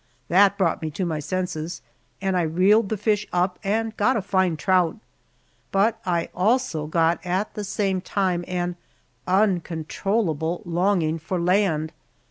That brought me to my senses, and I reeled the fish up and got a fine trout, but I also got at the same time an uncontrollable longing for land.